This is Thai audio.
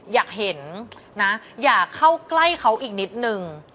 อยากเห็นนะอยากเข้าใกล้เขาอีกนิดนึง